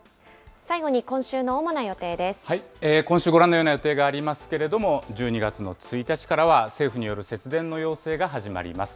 今週、ご覧のような予定がありますけれども、１２月の１日から、政府による節電の要請が始まります。